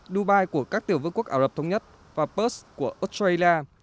dubai của các tiểu vương quốc ả rập thống nhất và perth của australia